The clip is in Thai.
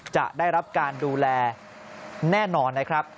จะได้รับการดูแลแน่นอนนะครับ